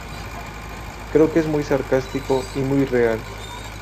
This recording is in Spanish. Creo que es muy sarcástico y muy real.